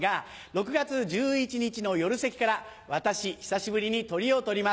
６月１１日の夜席から私久しぶりにトリを取ります。